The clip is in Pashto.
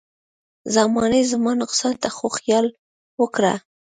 زمانې زما نقصان ته خو خیال وکړه.